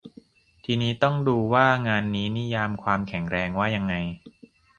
ทีนี้ต้องดูว่างานนี้นิยาม "ความแข็งแรง" ว่ายังไง